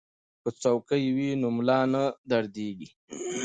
که څوکۍ وي نو ملا نه دردیږي.